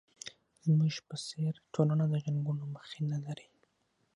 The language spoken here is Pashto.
زموږ په څېر ټولنه د جنګونو مخینه لري.